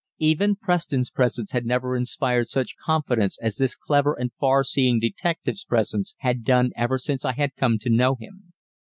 Even Preston's presence had never inspired such confidence as this clever and far seeing detective's presence had done ever since I had come to know him.